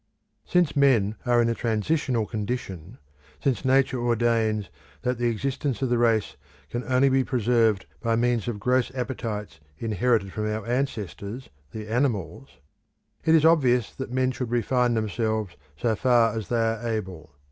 Since men are in a transitional condition; since Nature ordains that the existence of the race can only be preserved by means of gross appetites inherited from our ancestors, the animals, it is obvious that men should refine them so far as they are able.